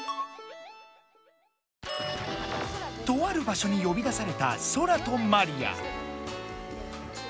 とある場所によび出されたソラとマリア。